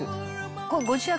「ここご自宅？」